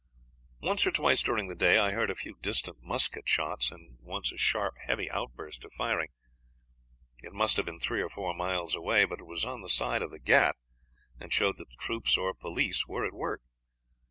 "Once or twice during the day I heard a few distant musket shots, and once a sharp, heavy outburst of firing. It must have been three or four miles away, but it was on the side of the Ghaut, and showed that the troops or police were at work.